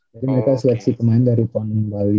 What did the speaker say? jadi mereka seleksi pemain dari pon bali